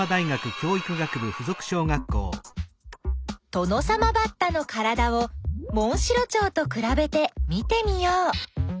トノサマバッタのからだをモンシロチョウとくらべて見てみよう。